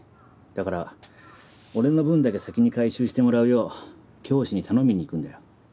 だから俺の分だけ先に回収してもらうよう教師に頼みにいくんだよ。